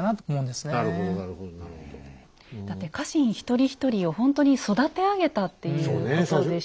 だって家臣一人一人をほんとに育て上げたっていうことでしたもんね。